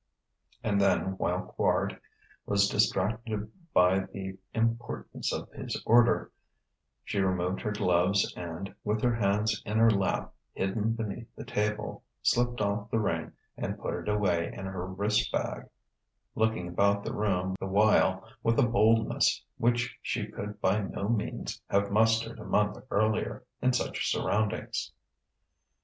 And then, while Quard was distracted by the importance of his order, she removed her gloves and, with her hands in her lap hidden beneath the table, slipped off the ring and put it away in her wrist bag: looking about the room the while with a boldness which she could by no means have mustered a month earlier, in such surroundings.